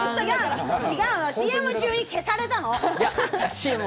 ＣＭ中に消されたの。